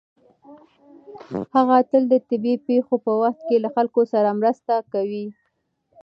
هغه تل د طبیعي پېښو په وخت کې له خلکو سره مرسته کوي.